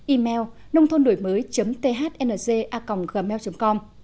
email nôngthônđổimới thng a gmail com